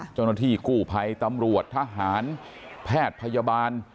เจ้าหน้าที่กู้ภัยตำรวจทหารแพทย์พยาบาล